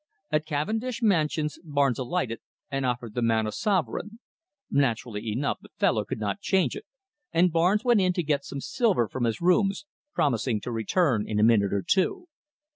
At Cavendish Mansions, Barnes alighted and offered the man a sovereign. Naturally enough the fellow could not change it, and Barnes went in to get some silver from his rooms, promising to return in a minute or two.